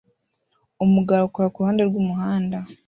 Umugabo akora kuruhande rwumuhanda